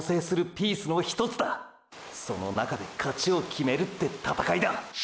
その中で勝ちを決めるって闘いだ。